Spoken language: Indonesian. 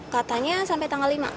katanya sampai tanggal lima